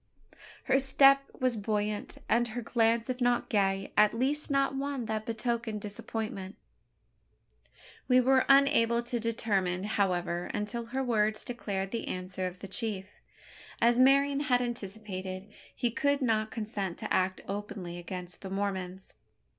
Her step was buoyant; and her glance, if not gay, at least not one that betokened disappointment. We were unable to determine, however, until her words declared the answer of the chief. As Marian had anticipated, he could not consent to act openly against the Mormons.